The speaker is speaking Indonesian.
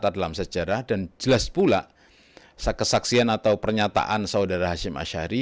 itu akan tercatat dalam sejarah dan jelas pula kesaksian atau pernyataan saudara hashim ash ari